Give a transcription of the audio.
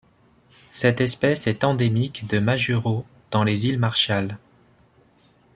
Cette espèce est endémique de Majuro dans les îles Marshall.